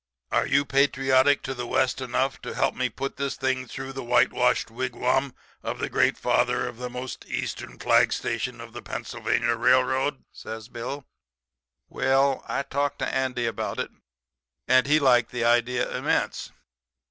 Are you patriotic to the West enough to help me put this thing through the Whitewashed Wigwam of the Great Father of the most eastern flag station of the Pennsylvania Railroad?' says Bill. [Illustration: "I'm a plain citizen and I need the job."] "Well, I talked to Andy about it, and he liked the idea immense.